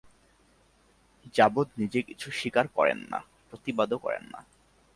যাবদ নিজে কিছু স্বীকার করেন না, প্রতিবাদও করেন না।